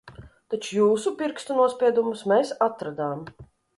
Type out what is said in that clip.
Taču jūsu pirkstu nospiedumus mēs atradām.